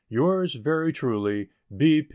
Yours, very truly, B.